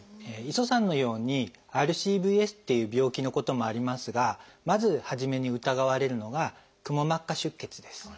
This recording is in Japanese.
磯さんのようにＲＣＶＳっていう病気のこともありますがまず初めに疑われるのが「クモ膜下出血」です。